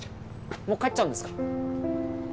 もう帰っちゃうんですか？